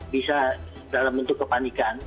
bisa dalam bentuk kepanikan